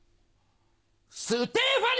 ステファニ！